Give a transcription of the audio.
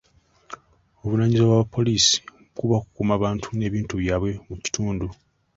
Obuvunaanyizibwa bwa poliisi kuba kukuuma bantu n'ebintu byabwe mu kitundu.